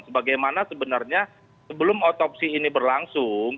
sebagaimana sebenarnya sebelum otopsi ini berlangsung